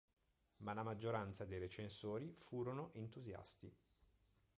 Ma la maggioranza dei recensori furono entusiasti.